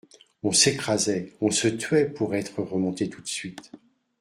On s'écrasait, on se tuait pour être remonté tout de suite.